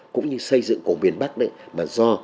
cũng như xây dựng của miền bắc mà do được